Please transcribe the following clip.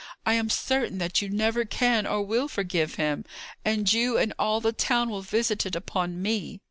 I am certain that you never can or will forgive him! And you and all the town will visit it upon me!"